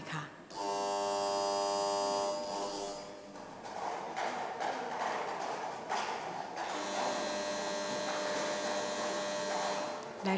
ออกรางวัลเลขหน้า๓